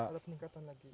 ada peningkatan lagi